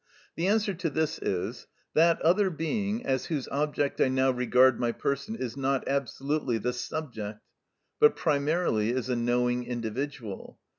The answer to this is: That other being as whose object I now regard my person is not absolutely the subject, but primarily is a knowing individual.